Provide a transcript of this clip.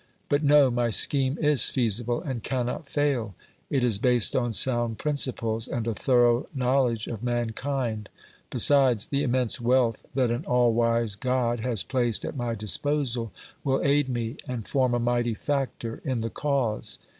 But no, my scheme is feasible and cannot fail; it is based on sound principles and a thorough knowledge of mankind; besides, the immense wealth that an all wise God has placed at my disposal will aid me and form a mighty factor in the cause.